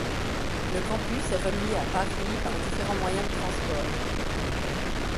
Le campus est relié à Paris par différents moyens de transport.